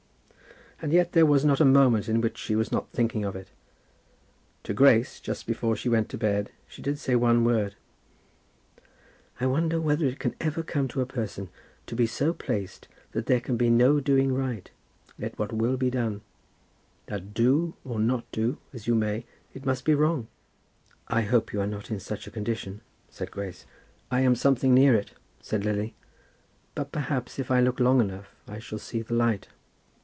And yet there was not a moment in which she was not thinking of it. To Grace, just before she went to bed, she did say one word. "I wonder whether it can ever come to a person to be so placed that there can be no doing right, let what will be done; that, do or not do, as you may, it must be wrong?" "I hope you are not in such a condition," said Grace. "I am something near it," said Lily, "but perhaps if I look long enough I shall see the light."